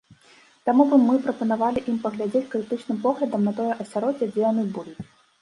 Таму мы прапанавалі ім паглядзець крытычным поглядам на тое асяроддзе, дзе яны будуць.